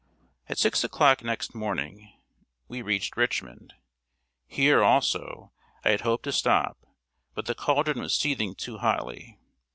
At six o'clock next morning, we reached Richmond. Here, also, I had hoped to stop, but the caldron was seething too hotly.